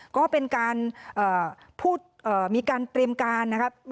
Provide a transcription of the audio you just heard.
ก็เป็นการพูดมีการเตรียมการนะครับ